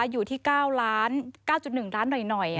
อยู่ที่๙๙๑ล้านหน่อย